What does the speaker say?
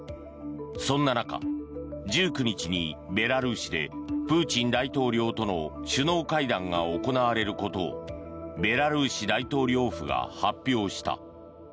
そんな中、１９日にベラルーシでプーチン大統領との首脳会談が行われることをベラルーシ大統領府が発表した。